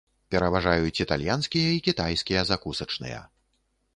Пераважаюць італьянскія і кітайскія закусачныя.